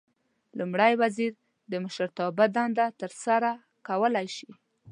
لومړی وزیر د مشرتابه دنده ترسره کولای شي.